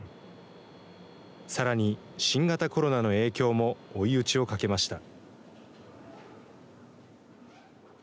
さらに、新型コロナの影響も追い打ちをかけました。